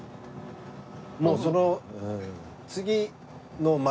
もうその。